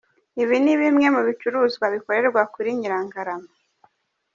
Ibi ni bimwe mu bicuruzwa bikorerwa kuri Nyirangarama.